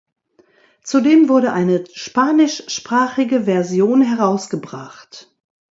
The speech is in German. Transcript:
Zudem wurde eine spanischsprachige Version herausgebracht.